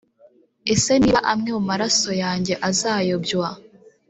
Ese niba amwe mu maraso yange azayobywa